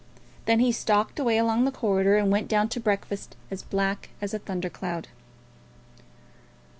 Then he stalked away along the corridor and went down to breakfast, as black as a thunder cloud.